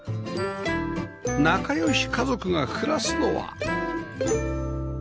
仲良し家族が暮らすのは